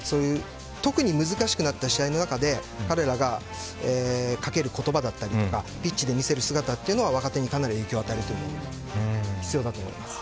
特に難しくなった試合の中で彼らがかける言葉だったりピッチで見せる姿というのは若手にかなり影響を与えると思います。